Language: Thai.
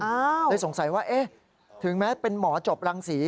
อ้าวเลยสงสัยว่าถึงแม้เป็นหมอจบรังสี